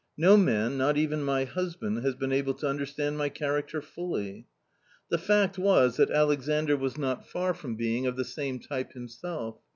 " No man, not even my husband^ has been able to understand my character fully ." The fact was that Alexandr was not far from being of the same type himself.